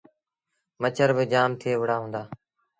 مڇر با جآم ٿئي وُهڙآ هُݩدآ۔